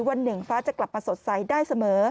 วันหนึ่งฟ้าจะกลับมาสดใสได้เสมอ